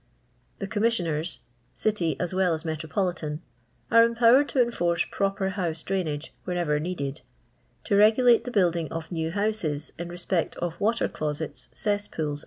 The Commissioners (City as well aa Metropoli tan) are empowered to enforce proper honaediain age wherever needed ; to regulate the boilding of new houses, in respect of water closets, ecMpooIs, &c.